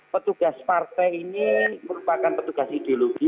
petugas partai ini merupakan petugas ideologi